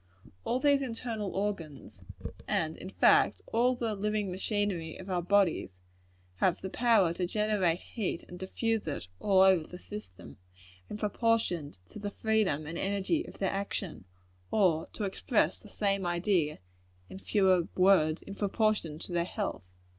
All these internal organs and, in fact, all the living machinery of our bodies have the power to generate heat and diffuse it over the system, in proportion to the freedom and energy of their action; or, to express the same idea in fewer words, in proportion to their health.